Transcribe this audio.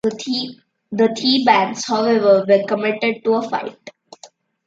The Thebans however were committed to a fight.